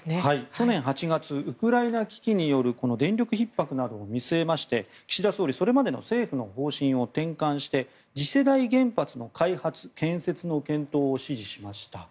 去年８月ウクライナ危機による電力ひっ迫などを見据えまして岸田総理、それまでの政府の方針を転換して次世代原発の開発・建設の検討を指示しました。